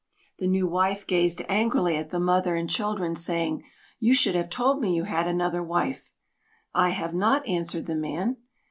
The new wife gazed angrily at the mother and children saying, "You should have told me you had another wife." "I have not," answered the man.